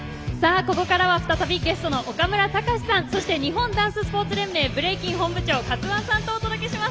ここからは再びゲストの岡村隆史さんそして日本ダンススポーツ連盟ブレイキン本部長ＫＡＴＳＵＯＮＥさんとお届けします。